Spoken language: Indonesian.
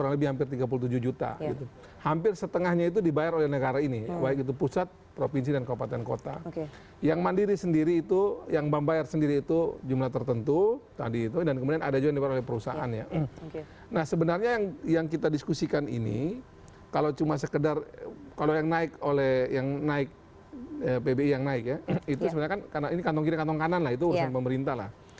kalau yang naik oleh yang naik pbi yang naik ya itu sebenarnya kan ini kantong kiri kantong kanan lah itu urusan pemerintah lah